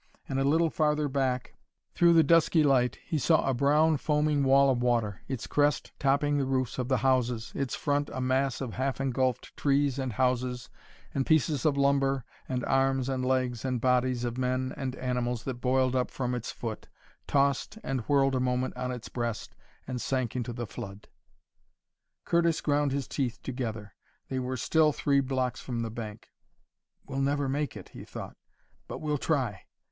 And a little farther back, through the dusky light, he saw a brown, foaming wall of water, its crest topping the roofs of the houses, its front a mass of half engulfed trees and houses and pieces of lumber and arms and legs and bodies of men and animals that boiled up from its foot, tossed and whirled a moment on its breast, and sank into the flood. Curtis ground his teeth together. They were still three blocks from the bank. "We'll never make it," he thought; "but we'll try!"